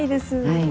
はい。